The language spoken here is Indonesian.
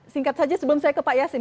singkat saja sebelum saya ke pak yasin